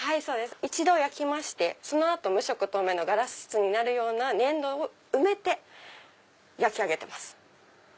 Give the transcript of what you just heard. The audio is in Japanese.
そうです一度焼きまして無色透明のガラス質になるような粘土を埋めて焼き上げてます。